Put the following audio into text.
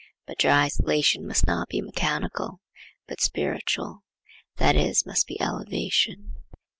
But your isolation must not be mechanical, but spiritual, that is, must be elevation.